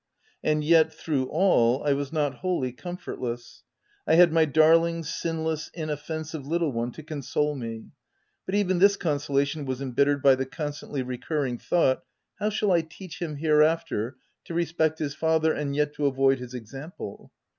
And yet, through all, I was not wholly comfortless ; I had my darling, sinless, inoffensive little one to console me, but even this consolation was embittered by the constantly recurring thought, M How shall I teach him, hereafter, to respect his father, and yet to avoid his example